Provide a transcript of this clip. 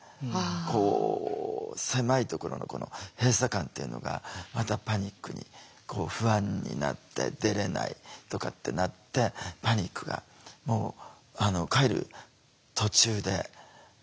こう狭いところのこの閉鎖感というのがまたパニックに不安になって「出れない」とかってなってパニックが帰る途中で発作になっていき始めて。